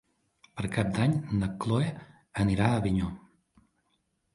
Per Cap d'Any na Chloé anirà a Avinyó.